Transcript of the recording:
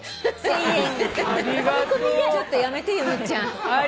ちょっとやめて由美ちゃん。